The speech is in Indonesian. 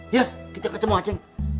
ya kita ketemu aceng